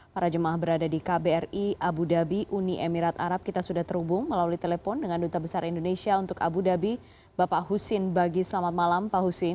para jemaah berada di kbri abu dhabi uni emirat arab kita sudah terhubung melalui telepon dengan duta besar indonesia untuk abu dhabi bapak husin bagi selamat malam pak husin